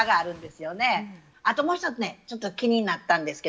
あともう一つねちょっと気になったんですけどね